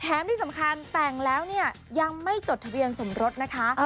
แท้มที่สำคัญแต่งแล้วยังไม่จดทะเบียนสมรสนะคะ